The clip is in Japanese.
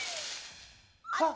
あっ。